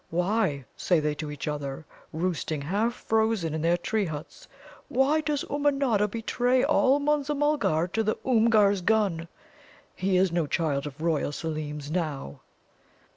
'Why,' say they to each other, roosting half frozen in their tree huts 'why does Ummanodda betray all Munza mulgar to the Oomgar's gun? He is no child of Royal Seelem's now.'"